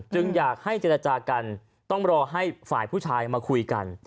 อยากให้เจรจากันต้องรอให้ฝ่ายผู้ชายมาคุยกัน